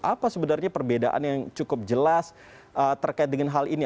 apa sebenarnya perbedaan yang cukup jelas terkait dengan hal ini